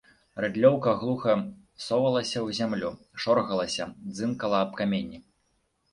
Рыдлёўка глуха совалася ў зямлю, шоргалася, дзынкала аб каменні.